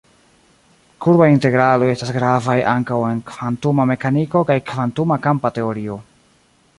Kurbaj integraloj estas gravaj ankaŭ en kvantuma mekaniko kaj kvantuma kampa teorio.